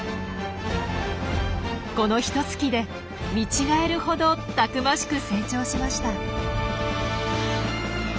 このひとつきで見違えるほどたくましく成長しました。